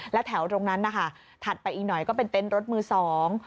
แล้วแถวตรงนั้นนะคะถัดไปอีกหน่อยก็เป็นเต็นต์รถมือสอง